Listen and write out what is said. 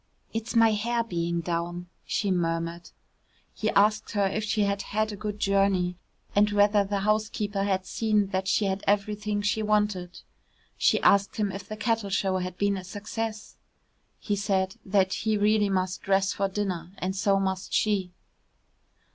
"It's my hair being down," she murmured. He asked her if she had had a good journey, and whether the housekeeper had seen that she had everything she wanted. She asked him if the cattle show had been a success. He said he really must dress for dinner, and so must she.